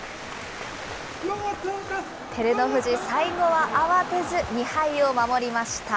照ノ富士、最後は慌てず２敗を守りました。